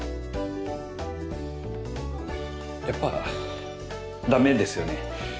やっぱ駄目ですよね？